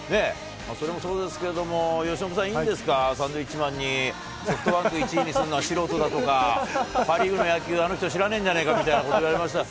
それもそうですけれども、由伸さん、いいんですか、サンドウィッチマンに、ソフトバンク１位に素人だとか、パ・リーグの野球、あの人知らねえんじゃねーかとか、言われました。